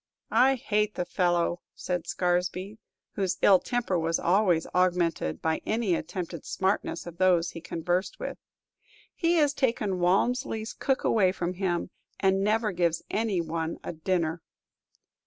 "I hate the fellow," said Scaresby, whose ill temper was always augmented by any attempted smartness of those he conversed with. "He has taken Walmsley's cook away from him, and never gives any one a dinner."